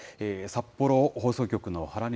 札幌放送局の原弥